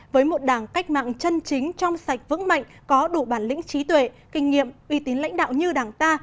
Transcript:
với một đảng cách mạng chân chính trong sạch vững mạnh có đủ bản lĩnh trí tuệ kinh nghiệm uy tín lãnh đạo như đảng ta